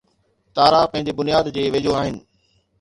تارا پنهنجي بنياد جي ويجهو آهن